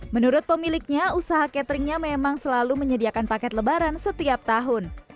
menurut pemiliknya usaha cateringnya memang selalu menyediakan paket lebaran setiap tahun